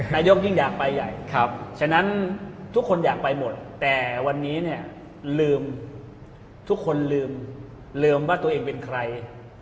นายกยิ่งอยากไปใหญ่ฉะนั้นทุกคนอยากไปหมดแต่วันนี้เนี่ยลืมทุกคนลืมลืมว่าตัวเองเป็นใคร